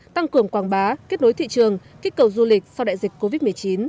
tăng cường quảng bá kết nối thị trường kích cầu du lịch sau đại dịch covid một mươi chín